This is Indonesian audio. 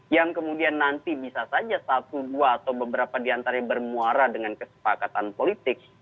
yang kemudian nanti bisa saja satu dua atau beberapa diantara bermuara dengan kesepakatan politik